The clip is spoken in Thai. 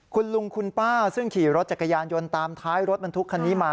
คุณลุงคุณป้าซึ่งขี่รถจักรยานยนต์ตามท้ายรถบรรทุกคันนี้มา